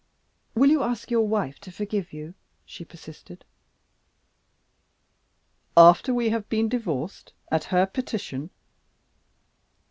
"Will you ask your wife to forgive you?" she persisted. "After we have been divorced at her petition?"